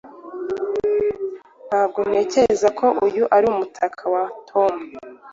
Ntabwo ntekereza ko uyu ari umutaka wa Tom